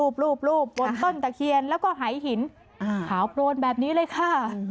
รูปรูปบนต้นตะเคียนแล้วก็หายหินขาวโปรนแบบนี้เลยค่ะ